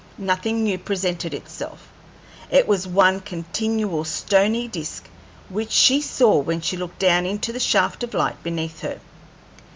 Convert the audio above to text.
Nothing new presented itself; it was one continual stony disk which she saw when she looked down into the shaft of light beneath her.